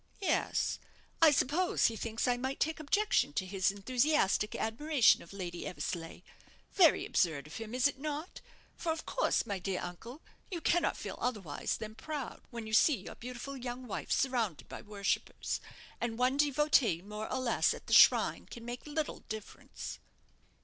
"Yes. I suppose he thinks I might take objection to his enthusiastic admiration of Lady Eversleigh. Very absurd of him, is it not? For, of course, my dear uncle, you cannot feel otherwise than proud when you see your beautiful young wife surrounded by worshippers; and one devotee more or less at the shrine can make little difference."